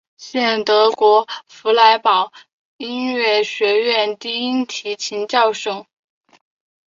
现德国弗莱堡音乐学院低音提琴教授。